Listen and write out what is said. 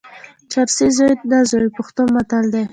چرسي زوی نه زوی، پښتو متل دئ.